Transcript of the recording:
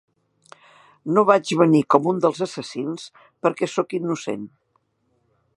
No vaig venir com un dels assassins, perquè sóc innocent.